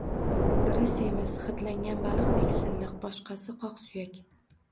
Biri semiz, hidlangan baliqdek silliq; boshqasi qoqsuyak